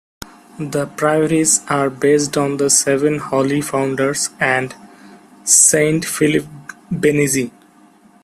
The Priories are based on the Seven Holy Founders, and Saint Philip Benizi.